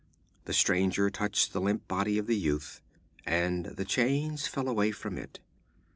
The stranger touched the limp body of the youth, and the chains fell away from it.